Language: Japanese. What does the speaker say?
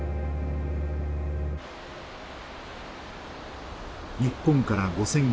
日本から５，０００ｋｍ